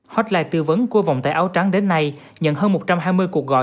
hotline tư vấn của vòng tay áo trắng đến nay nhận hơn một trăm hai mươi cuộc gọi